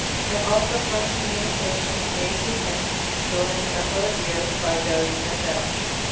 and also from communications made to him ) during a number of years by those in the know.